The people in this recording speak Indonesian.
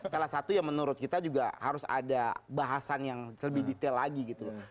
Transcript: salah satu yang menurut kita juga harus ada bahasan yang lebih detail lagi gitu loh